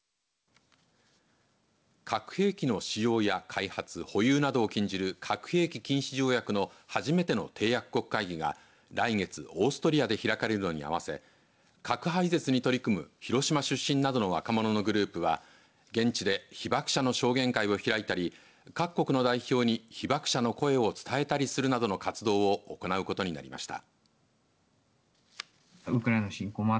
核兵器の使用や開発保有などを禁じる核兵器禁止条約の初めての締約国会議が来月オーストラリアで開かれ核廃絶に取り組む広島出身などの若者グループは現地で被爆者の証言会を開いたり各国の代表に被爆者の声を伝えたりするなどの活動を行うことになりました。